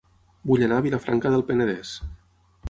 Vull anar a Vilafranca del Penedès